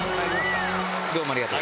どうもありがとう。